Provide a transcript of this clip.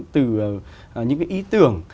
từ những cái ý tưởng